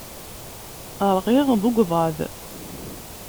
Rɣiɣ deg uḍaḍ.